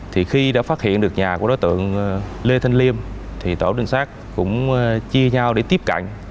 thì khi đã phát hiện được nhà của đối tượng lê thanh liêm thì tổ trinh sát cũng chia nhau để tiếp cận